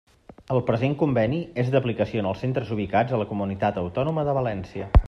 El present conveni és d'aplicació en els centres ubicats a la Comunitat Autònoma de València.